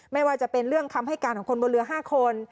ไม่ว่าจะเป็นเรื่องคำให้การของคนบนเรือ๕คน